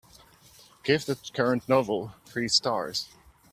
Give the current novel three stars